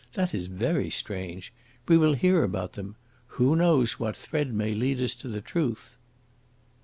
That is very strange. We will hear about them. Who knows what thread may lead us to the truth?"